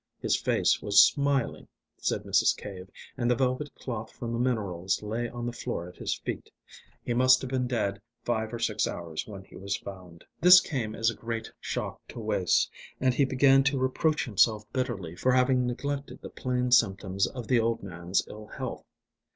His face was smiling, said Mrs. Cave, and the velvet cloth from the minerals lay on the floor at his feet. He must have been dead five or six hours when he was found. This came as a great shock to Wace, and he began to reproach himself bitterly for having neglected the plain symptoms of the old man's ill health.